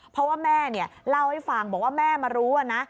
เพราะว่าแม่เล่าให้ฟังบอกว่าแม่มารู้นะ